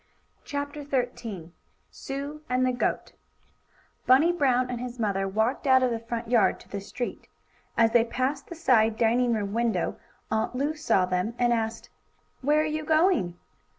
CHAPTER XIII SUE AND THE GOAT Bunny Brown and his mother walked out of the front yard to the street. As they passed the side dining room window, Aunt Lu saw them, and asked: "Where are you going?"